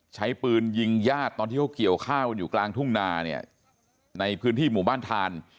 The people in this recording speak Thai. ใช้ปืนยิงญาติตอนที่เขาเกี่ยวข้าวกันอยู่กลางทุ่งนาเนี่ยในพื้นที่หมู่บ้านทาน